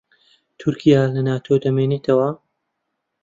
تورکیا لە ناتۆ دەمێنێتەوە؟